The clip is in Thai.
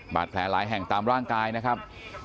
บาดแผลหลายแห่งตามร่างกายนะครับ